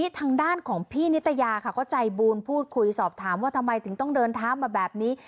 ทางด้านของพี่นิตยาค่ะเขาใจบูลพูดคุยสอบถามว่าทำไมถึงต้องเดินเท้ามาแบบนี้